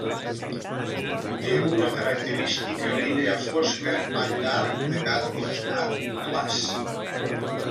Té una característica línia fosca al llarg de cada costat, clars.